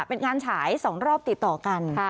เป็นงานฉาย๒รอบติดต่อกัน